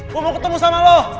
gue mau ketemu sama lo